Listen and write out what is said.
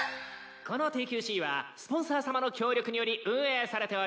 このＴＱＣはスポンサーさまの協力により運営されております。